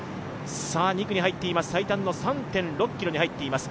２区に入っています、最短の３．６ｋｍに入っています。